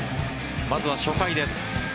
まずは初回です。